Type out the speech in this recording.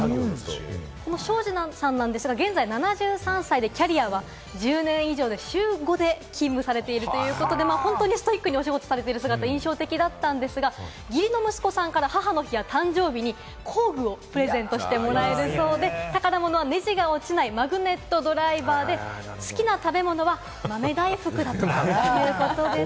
この庄司さんですが、現在７３歳でキャリアは１０年以上、週５で勤務されているということで、本当にストイックでお仕事されてる姿、印象的だったんですが、義理の息子さんから母の日や誕生日に工具をプレゼントしてもらえるそうで、宝物はネジが落ちないマグネットドライバーで好きな食べ物は豆大福だそうです。